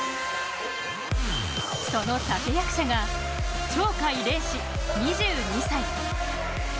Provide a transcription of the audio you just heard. その立て役者が、鳥海連志２２歳。